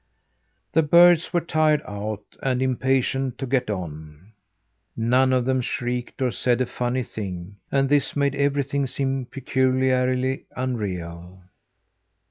The birds were tired out and impatient to get on. None of them shrieked or said a funny thing, and this made everything seem peculiarly unreal.